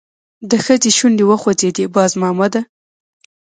د ښځې شونډې وخوځېدې: باز مامده!